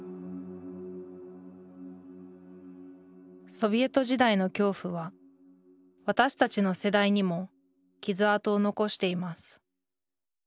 ソビエト時代の恐怖は私たちの世代にも傷痕を残しています